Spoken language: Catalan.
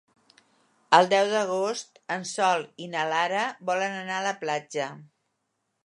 El deu d'agost en Sol i na Lara volen anar a la platja.